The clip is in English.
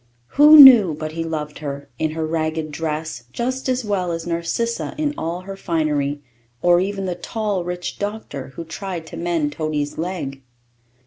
Who knew but he loved her, in her ragged dress, just as well as Narcissa in all her finery, or even the tall, rich doctor, who tried to mend Toady's leg?